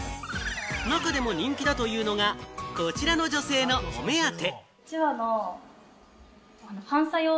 中でも人気だというのがこちらの女性のお目当て。